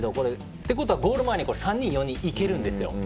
ということはゴール前に３人、４人行けるんですよ。